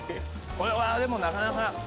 これはでもなかなか。